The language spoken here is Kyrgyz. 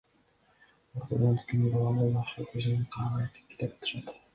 Ортодон өткөн баланы башы көзүнө карабай тепкилеп атышат.